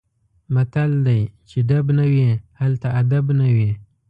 متل دی: چې ډب نه وي هلته ادب نه وي.